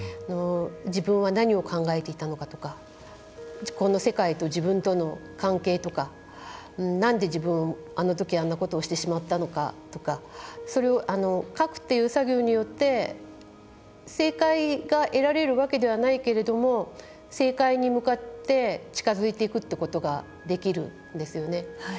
自分は何を考えていたのかとかこの世界と自分との関係とか何で自分あのとき、あんなことをしてしまったのかとかそれを書くという作業によって正解が得られるわけではないけれども正解に向かって近づいていくということができるんですよね。